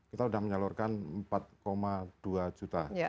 kita sudah menyalurkan empat dua juta